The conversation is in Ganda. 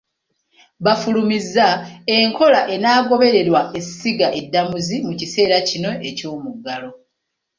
Bafulumizza enkola enaagobererwa essiga eddamuzi mu kiseera kino eky'omuggalo.